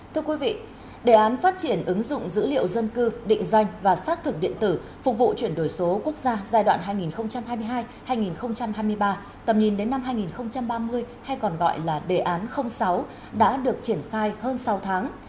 thưa quý vị đề án phát triển ứng dụng dữ liệu dân cư định danh và xác thực điện tử phục vụ chuyển đổi số quốc gia giai đoạn hai nghìn hai mươi hai hai nghìn hai mươi ba tầm nhìn đến năm hai nghìn ba mươi hay còn gọi là đề án sáu đã được triển khai hơn sáu tháng